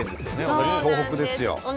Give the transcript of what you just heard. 同じ東北です。